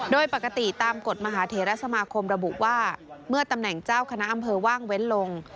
โดยปกติตามกฎมหาเทรสมาคมระบุว่าเมื่อตำแหน่งเจ้าคณะอำเภอว่างเว้นลง